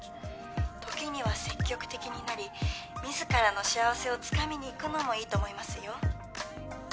「時には積極的になりみずからの幸せをつかみに行くのもいいと思いますよ」